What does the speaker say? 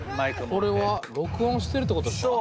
これは録音してるってことですか？